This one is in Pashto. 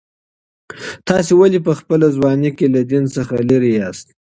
تاسي ولي په خپله ځواني کي له دین څخه لیري یاست؟